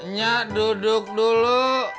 nyak duduk dulu